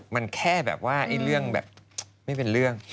มันแค่แบบว่าเรื่องแบบไม่เป็นเรื่อง